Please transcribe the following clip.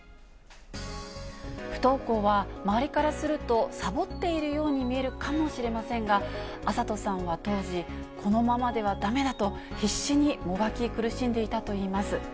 不登校は、周りからすると、さぼっているように見えるかもしれませんが、暁里さんは当時、このままではだめだと、必死にもがき苦しんでいたといいます。